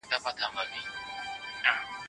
د ظاهرشاه د دموکراسۍ په لسیزه کي او د سردار